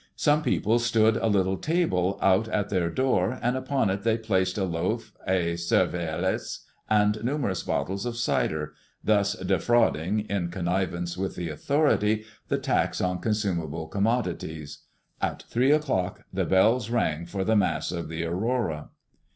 Some people stood a little table out at their door, and upon it they placed a loaf, a cervelas, and numerous bottles of cider, thus defrauding, in connivance with the authority, the tax on consumable commodities. At three o'clock the bells rang for the Mass of the Aurora.